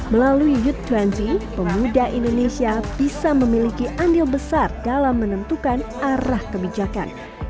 melalui u dua puluh pemuda indonesia bisa memiliki andil besar dalam menentukan arah kebijakan